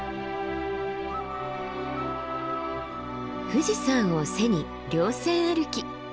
富士山を背に稜線歩き。